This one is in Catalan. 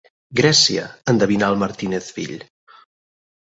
Grècia –endevina el Martínez fill.